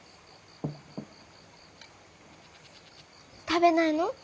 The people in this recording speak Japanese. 食べないの？